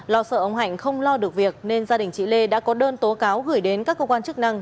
lo sợ ông hạnh không lo được việc nên gia đình chị lê đã có đơn tố cáo gửi đến các cơ quan chức năng